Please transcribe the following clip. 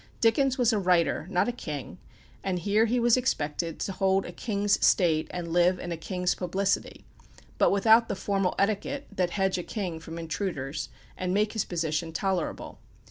Dickens was a writer, not a king; and here he was expected to hold a king's state, and live in a king's publicity, but without the formal etiquette that hedge a king from intruders, and make his position tolerable.